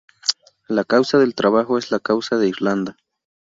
La causa del trabajo es la causa de Irlanda"".